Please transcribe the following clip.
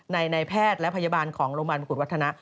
ในแพทย์และพยาบาลของโรงพยาบาลมกุฎวัฒนะ